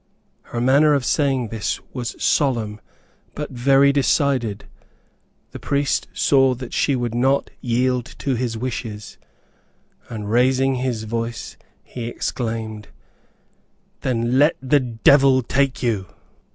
Her manner of saying this was solemn but very decided. The priest saw that she would not yield to his wishes, and raising his voice, he exclaimed, "Then let the devil take you."